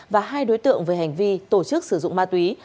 và hai đối tượng về hành vi tổ chức sử dụng ma túy